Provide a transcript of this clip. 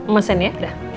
masin ya udah